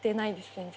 全然。